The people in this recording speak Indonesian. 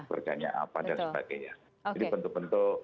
pekerjaannya apa dan sebagainya jadi bentuk bentuk